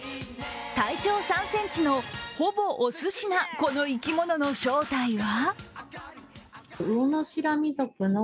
体長３ｃｍのほぼおすしなこの生き物の正体は？